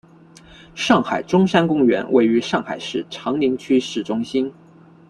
上海中山公园位于上海长宁区市中心。